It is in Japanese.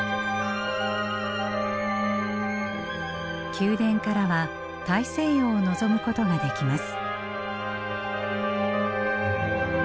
宮殿からは大西洋を望むことができます。